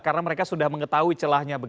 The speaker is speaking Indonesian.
karena mereka sudah mengetahui celahnya